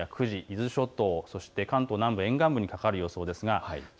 今夜９時、伊豆諸島そして関東南部沿岸部にかかる予想です。